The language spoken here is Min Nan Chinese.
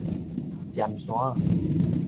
尖山仔